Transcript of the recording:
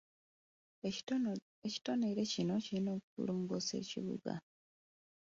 Ekitonole kino kirina okulongoosa ekibuga.